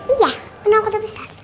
iya bener aku udah bisa